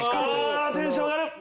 ああテンション上がる！